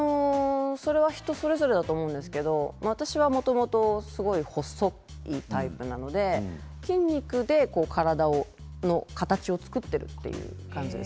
人それぞれだと思いますけれどもともと細いタイプなので筋肉で体の形を作っていくという感じです。